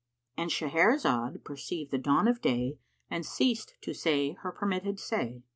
—And Shahrazad perceived the dawn of day and ceased to say her permitted say.